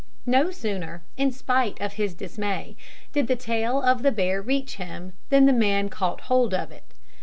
No sooner, in spite of his dismay, did the tail of the bear reach him, than the man caught hold of it.